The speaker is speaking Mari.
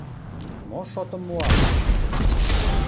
Мо шотым муаш?..